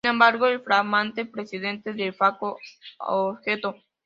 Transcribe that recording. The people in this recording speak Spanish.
Sin embargo, el flamante presidente "de facto" objetó.